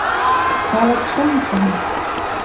Калык - шыҥ-шыҥ.